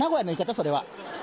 それは。